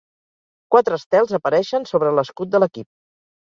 Quatre estels apareixen sobre l'escut de l'equip.